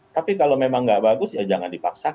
tapi kalau memang nggak bagus ya jangan dipaksakan